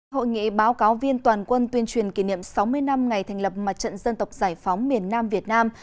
hội nghị báo cáo viên toàn quân tuyên truyền kỷ niệm sáu mươi năm ngày thành lập mặt trận dân tộc giải phóng miền nam việt nam